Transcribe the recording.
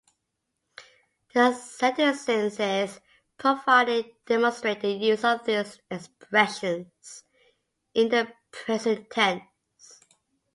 The sentences provided demonstrate the use of these expressions in the present tense.